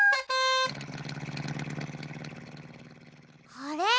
あれ？